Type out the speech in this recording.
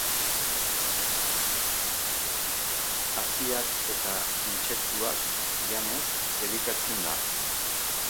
Haziak eta intsektuak janez elikatzen da.